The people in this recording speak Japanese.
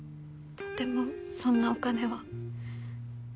とてもそんなお金は。